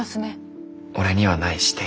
「俺にはない視点」。